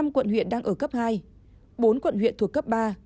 năm quận huyện đang ở cấp hai bốn quận huyện thuộc cấp ba